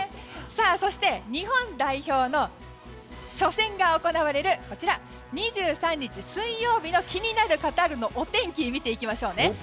そして日本代表の初戦が行われる２３日、水曜日の気になるカタールのお天気を見ていきましょう。